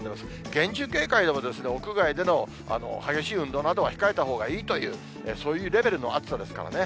厳重警戒でも、屋外での激しい運動などは控えたほうがいいという、そういうレベルの暑さですからね。